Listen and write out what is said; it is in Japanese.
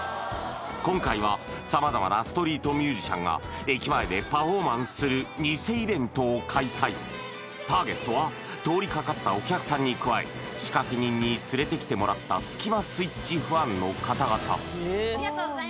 今回は様々なストリートミュージシャンが駅前でパフォーマンスするターゲットは通りかかったお客さんに加え仕掛人に連れてきてもらったスキマスイッチファンの方々